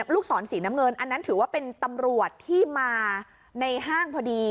ลูกศรสีน้ำเงินอันนั้นถือว่าเป็นตำรวจที่มาในห้างพอดี